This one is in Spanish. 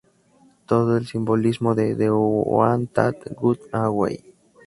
Todo el simbolismo de ""The One that got away"".